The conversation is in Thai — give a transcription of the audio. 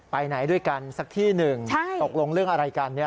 ไปไหนด้วยกันสักที่หนึ่งตกลงเรื่องอะไรกันเนี่ย